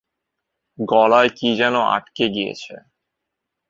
গলায় কি যেন আটকে গিয়েছে।